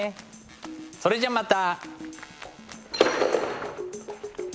それじゃまた。